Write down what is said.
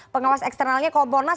pengawas eksternalnya kompolnas